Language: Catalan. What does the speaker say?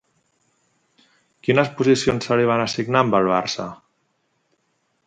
Quines posicions se li van assignar amb el Barça?